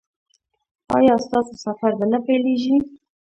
ایا ستاسو سفر به نه پیلیږي؟